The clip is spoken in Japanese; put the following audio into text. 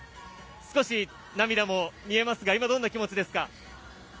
少し涙も見えますが今どんな気持ちですか？